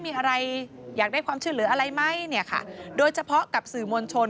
มีอะไรอยากได้ความช่วยเหลืออะไรไหมเนี่ยค่ะโดยเฉพาะกับสื่อมวลชน